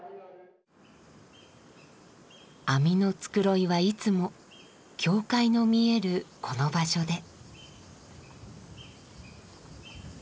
網の繕いはいつも教会の見えるこの場所で。